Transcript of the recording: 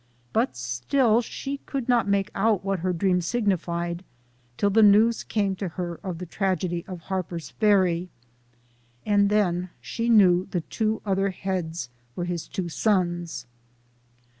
But still she could not make out what her dream signified, till the news came to her of the tragedy of Harper's Ferry, and then she knew the two other heads were his two sons.